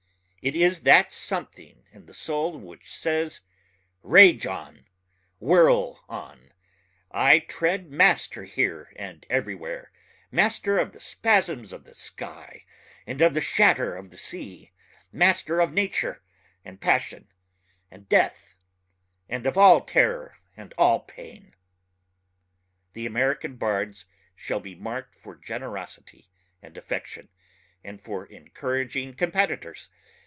It is that something in the soul which says, Rage on, Whirl on, I tread master here and everywhere, Master of the spasms of the sky and of the shatter of the sea, Master of nature and passion and death, And of all terror and all pain. The American bards shall be marked for generosity and affection and for encouraging competitors....